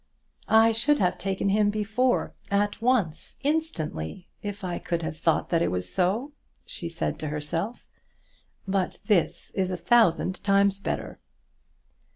"I should have taken him before, at once, instantly, if I could have thought that it was so," she said to herself; "but this is a thousand times better."